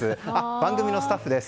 番組のスタッフです。